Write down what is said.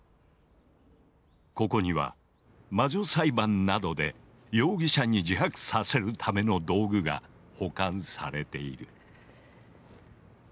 ここには魔女裁判などで容疑者に自白させるための道具が保管されている。